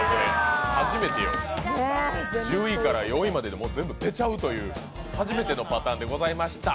初めてよ１０位から４位まで全部出ちゃうという初めてのパターンでございました。